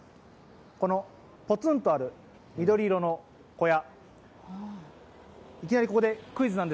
このポツンとある緑色の小屋。